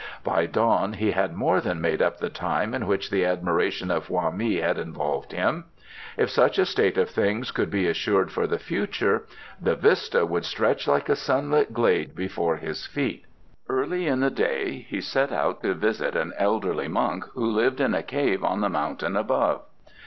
By dawn he had more than made up the time in which the admiration of Hoa mi had involved him. If such a state of things could be assured for the future, the vista would stretch like a sunlit glade before his feet. Early in the day he set out to visit an elderly monk, who lived in a cave on the mountain above.